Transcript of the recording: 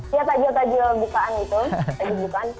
iya tajil tajil bukaan gitu tajil bukaan